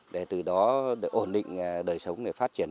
để từ đó ổn định đời sống để phát triển